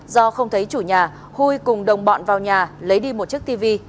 do không thấy chủ nhà huy cùng đồng bọn vào nhà lấy đi một chiếc tivi